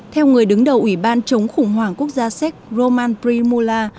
theo người đứng đầu ủy ban chống khủng hoảng quốc gia séc roman primula